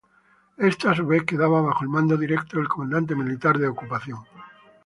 Esta a su vez quedaba bajo el mando directo del comandante militar de ocupación.